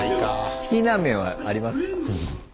チキンラーメンはありますか？